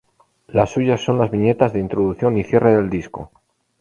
Las suyas son las viñetas de introducción y cierre del disco.